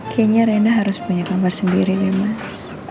kayaknya renda harus punya kamar sendiri nih mas